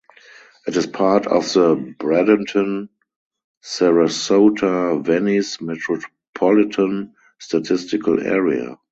It is part of the Bradenton–Sarasota–Venice Metropolitan Statistical Area.